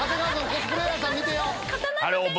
コスプレーヤーさん見てよ。